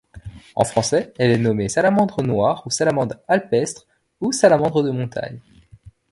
En français elle est nommée salamandre noire ou salamandre alpestre ou salamandre de montagne.